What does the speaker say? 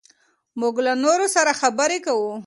موږ له نورو سره خبرې کوو.